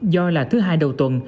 do là thứ hai đầu tuần